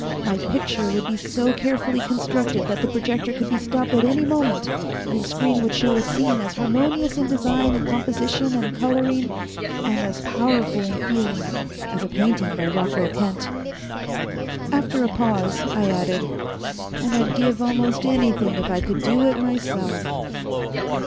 My picture would be so carefully constructed that the projector could be stopped at any moment and the screen would show a scene as harmonious in design and composition and coloring, and as powerful in feeling, as a painting by Rockwell Kent." After a pause I added, "And I'd give almost anything if I could do it myself."